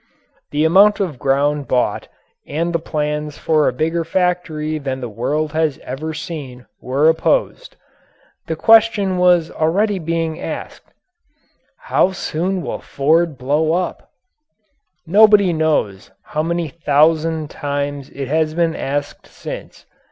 The amount of ground bought and the plans for a bigger factory than the world has ever seen were opposed. The question was already being asked: "How soon will Ford blow up?" Nobody knows how many thousand times it has been asked since.